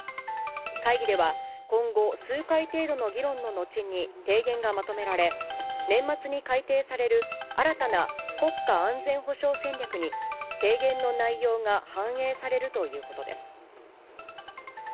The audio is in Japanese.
会議では今後、数回程度の議論の後に、提言がまとめられ、年末に改定される新たな国家安全保障戦略に、提言の内容が反映されるということです。